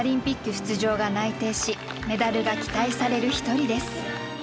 出場が内定しメダルが期待される一人です。